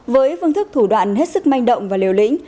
với phương thức thủ đoạn hết sức manh động và liều lĩnh